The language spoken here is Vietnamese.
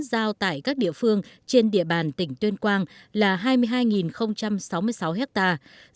giao tại các địa phương trên địa bàn tỉnh tuyên quang là hai mươi hai sáu mươi sáu hectare